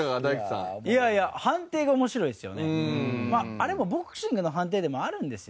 あれもボクシングの判定でもあるんですよ。